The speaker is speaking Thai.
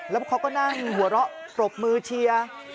แล้วเขาก็นั่งหัวเราะปรบมือเชียร์